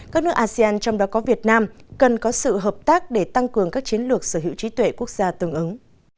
các nước asean trong đó có việt nam cần có sự hợp tác để tăng cường các chiến lược sở hữu trí tuệ quốc gia tương ứng